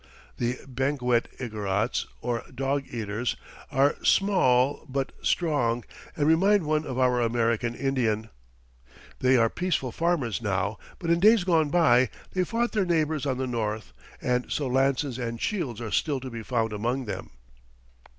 The Benguet Igorots, or dog eaters, are small but strong, and remind one of our American Indians. They are peaceful farmers now, but in days gone by they fought their neighbours on the north, and so lances and shields are still to be found among them.